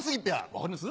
分かります？